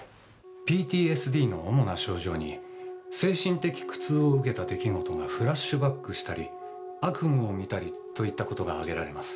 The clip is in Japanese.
ＰＴＳＤの主な症状に精神的苦痛を受けた出来事がフラッシュバックしたり悪夢を見たりといったことが挙げられます。